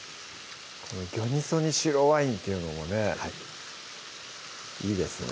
このギョニソに白ワインっていうのもねいいですね